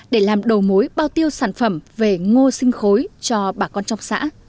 để làm đầu mối bao tiêu sản phẩm về ngô sinh khối cho bà con trong xã